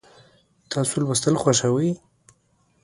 تاسو لوستل خوښوئ؟